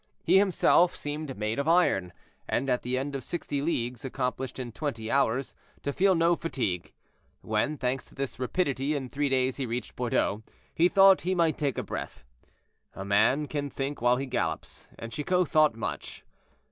He himself seemed made of iron, and, at the end of sixty leagues, accomplished in twenty hours, to feel no fatigue. When, thanks to this rapidity, in three days he reached Bordeaux, he thought he might take breath. A man can think while he gallops, and Chicot thought much.